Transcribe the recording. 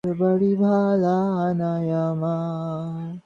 আফসার সাহেবকে তিনি দু চোখে দেখতে পারেন না।